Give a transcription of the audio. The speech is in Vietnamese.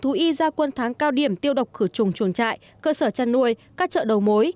thú y gia quân tháng cao điểm tiêu độc khử trùng chuồng trại cơ sở chăn nuôi các chợ đầu mối